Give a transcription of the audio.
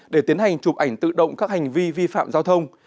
để tiến hành chụp ảnh tự động các hành vi vi phạm giao thông